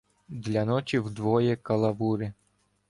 Для ночі вдвоє калавури